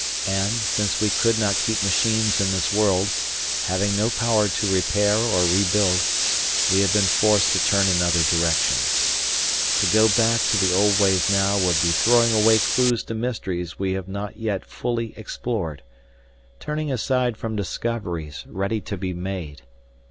And, since we could not keep machines in this world, having no power to repair or rebuild, we have been forced to turn in other directions. To go back to the old ways now would be throwing away clues to mysteries we have not yet fully explored, turning aside from discoveries ready to be made.